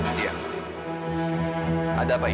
pertama kali pak